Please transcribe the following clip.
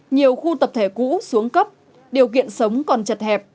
nhiều khu tập thể cũ xuống cấp điều kiện sống còn chật hẹp